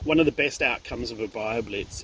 ini adalah penggabungan komunitas